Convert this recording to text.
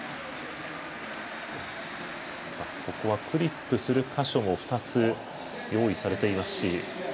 ここは、クリップする箇所も２つ用意されていますし。